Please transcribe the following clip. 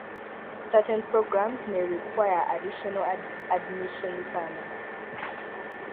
Certain programmes may require additional admission requirements.